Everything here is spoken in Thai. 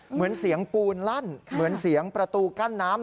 เหมือนเสียงปูนลั่นเหมือนเสียงประตูกั้นน้ำ